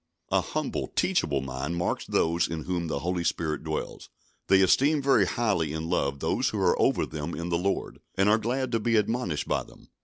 A humble, teachable mind marks those in whom the Holy Spirit dwells. They esteem very highly in love those who are over them in the Lord, and are glad to be admonished by them.